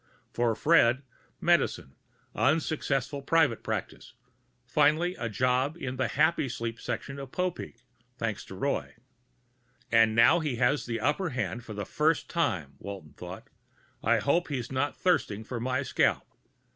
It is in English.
For Fred, medicine, unsuccessful private practice, finally a job in the Happysleep section of Popeek, thanks to Roy. And now he has the upper hand for the first time, Walton thought. _I hope he's not thirsting for my scalp.